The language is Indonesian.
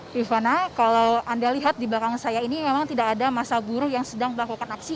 rifana kalau anda lihat di belakang saya ini memang tidak ada masa buruh yang sedang melakukan aksi